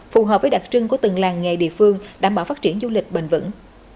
phù hợp với đặc trưng của từng làng nghề địa phương đảm bảo phát triển du lịch bền vững